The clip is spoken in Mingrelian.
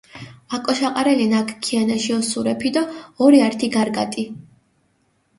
აკოშაყარელენა აქ ქიანაში ოსურეფი დო ორე ართი გარგატი.